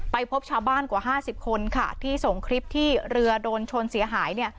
พบชาวบ้านกว่า๕๐คนค่ะที่ส่งคลิปที่เรือโดนชนเสียหายเนี่ย